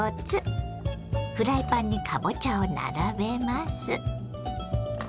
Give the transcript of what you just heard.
フライパンにかぼちゃを並べます。